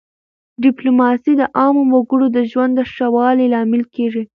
ډیپلوماسي د عامو وګړو د ژوند د ښه والي لامل کېږي.